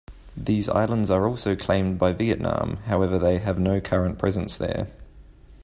These islands are also claimed by Vietnam, however they have no current presence there.